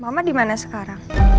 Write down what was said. mama dimana sekarang